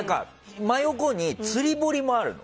真横に釣り堀もあるの。